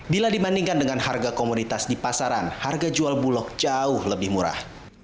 bila dibandingkan dengan harga komoditas di pasaran harga jual bulog jauh lebih murah